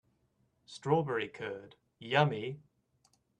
Strawberry curd, yummy!